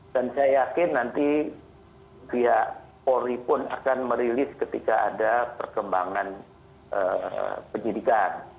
dan saya yakin nanti pihak polri pun akan merilis ketika ada perkembangan penyidikan